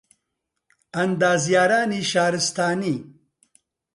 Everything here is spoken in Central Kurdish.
ئەندازیارانی شارستانی